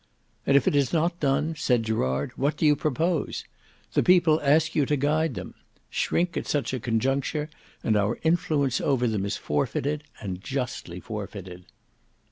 "And if it is not done," said Gerard, "what do you propose? The people ask you to guide them. Shrink at such a conjuncture, and our influence over them is forfeited and justly forfeited."